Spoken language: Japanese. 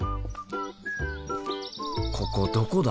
ここどこだ？